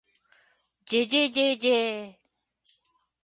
ｗ じぇじぇじぇじぇ ｗ